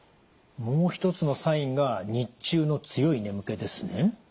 もう一つのサインが日中の強い眠気ですね？